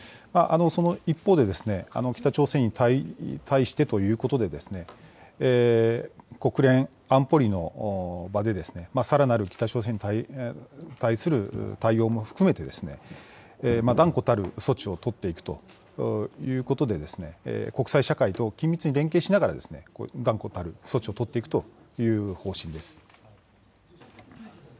その一方で、北朝鮮に対してということで、国連安保理の場で、さらなる北朝鮮に対する対応も含めて、断固たる措置を取っていくということで、国際社会と緊密に連携しながら断固たる措置を取っていくという方